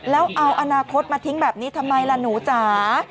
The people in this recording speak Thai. แล้วเอาอนาคตมาทิ้งแบบนี้ทำไมล่ะหนูจ๋า